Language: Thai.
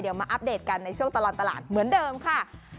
เดี๋ยวมาอัปเดตกันในช่วงตลอดตลาดเหมือนเดิมค่ะ